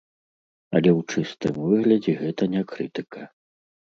Але ў чыстым выглядзе гэта не крытыка.